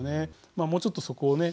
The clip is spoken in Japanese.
まあもうちょっとそこをね